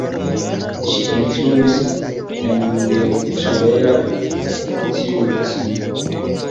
Ŝi instruis en Miercurea Ciuc.